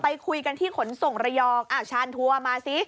ไปคุยกันที่ขนส่งระยองอ้าวชาญทัวร์มาสิ